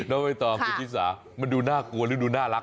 แล้วไปต่อพิธีสามันดูน่ากลัวหรือดูน่ารัก